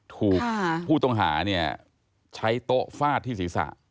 ถูกผู้ตรงหาใช้โต๊ะฟาดที่ศีรษะ